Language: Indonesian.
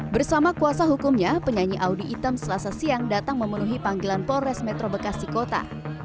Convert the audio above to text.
bersama kuasa hukumnya penyanyi audi item selasa siang datang memenuhi panggilan polres metro bekasi kota